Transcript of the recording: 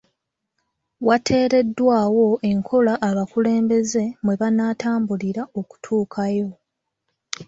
Wateereddwawo enkola abakulembeze mwe banaatambulira okutuukayo.